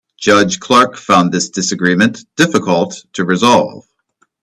Judge Clark found this disagreement difficult to resolve.